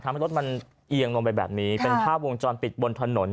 ทำให้รถมันเอียงลงไปแบบนี้เป็นภาพวงจรปิดบนถนน